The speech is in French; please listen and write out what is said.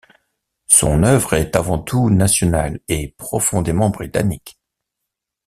Son œuvre est avant tout nationale et profondément britannique.